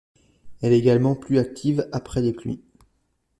Elle est également plus active après les pluies.